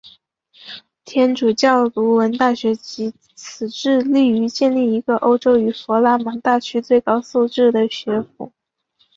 天主教鲁汶大学藉此致力于建立一个欧洲与弗拉芒大区最高素质的学府。